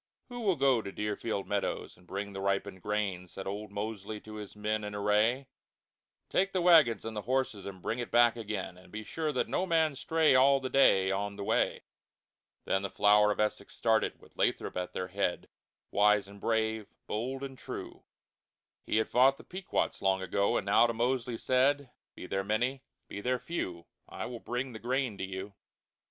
"Who will go to Deerfield Meadows and bring the ripened Grain?" Said old Mosely to his men in Array. "Take the Wagons and the Horses, and bring it back again; But be sure that no Man stray All the Day, on the Way." Then the Flower of Essex started, with Lathrop at their head, Wise and brave, bold and true. He had fought the Pequots long ago, and now to Mosely said, "Be there Many, be there Few, I will bring the Grain to you."